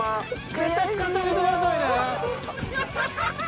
絶対使ってあげてくださいね。